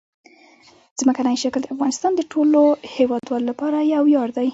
ځمکنی شکل د افغانستان د ټولو هیوادوالو لپاره یو ویاړ دی.